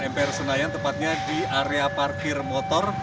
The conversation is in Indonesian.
mpr senayan tepatnya di area parkir motor